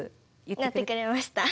やってくれました。